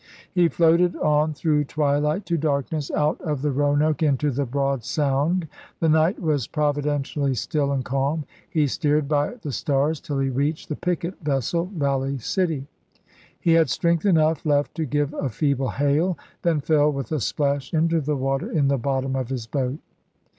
He floated on through twilight to darkness, out of THE ALBEMAELE 51 the Roanoke into the broad Sound ; the night was chap. ii. providentially still and calm; he steered by the stars till he reached the picket vessel Valley City ; he had strength enough left to give a feeble hail, then fell with a splash into the water in the bottom of his boat.